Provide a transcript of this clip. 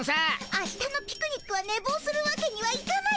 あしたのピクニックはねぼうするわけにはいかないからね。